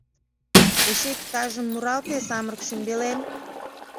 — Эше иктажым муралте, самырык шӱмбелем!